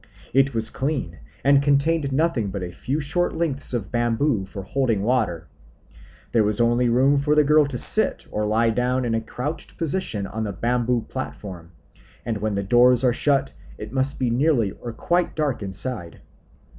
It was clean and contained nothing but a few short lengths of bamboo for holding water. There was only room for the girl to sit or lie down in a crouched position on the bamboo platform, and when the doors are shut it must be nearly or quite dark inside.